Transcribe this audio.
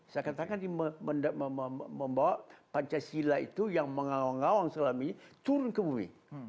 saya katakan ini membawa pancasila itu yang mengawang awang selama ini turun ke bumi